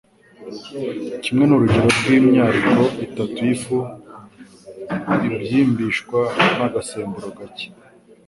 kimwe n'urugero rw'imyariko itatu y'ifu ibyimbishwa n'agasemburo gake.